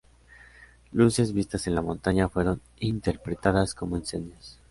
Luces vistas en la montaña fueron interpretadas como incendios.